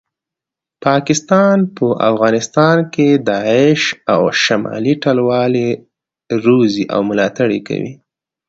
پاکستان په افغانستان کې داعش او شمالي ټلوالي روزي او ملاټړ یې کوي